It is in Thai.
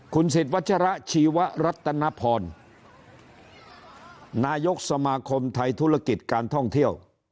คุณสิทธิวัชระชีวรัตนพรนายกสมาคมไทยธุรกิจการท่องเที่ยว